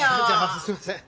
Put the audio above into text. すいません。